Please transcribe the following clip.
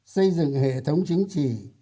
xây dựng hệ thống chính trị